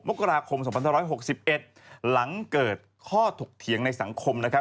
มกราคมสองพันท้าร้อยหกสิบเอ็ดหลังเกิดข้อถูกเถียงในสังคมนะครับ